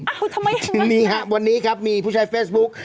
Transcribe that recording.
อ้าวทำไมอย่างนั้นวันนี้ครับมีผู้ชายเฟสบุ๊ค